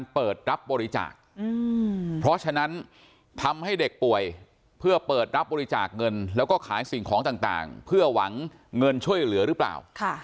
เปิดรับบริจาคเพราะฉะนั้นทำให้เด็กป่วยเพื่อเปิดรับบริจาคเงินแล้วก็ขายสิ่งของต่างเพื่อหวังเงินช่วยเหลือหรือเปล่า